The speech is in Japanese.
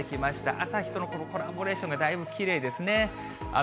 朝日とのコラボレーションがだいぶきれいですね。